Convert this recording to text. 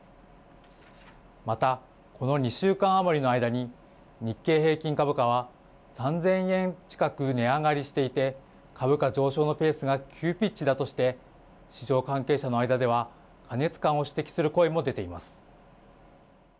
また、この２週間余りの間に日経平均株価は３０００円近く値上がりしていて株価上昇のペースが急ピッチだとして市場関係者の間では過熱感を指摘する声も出ています。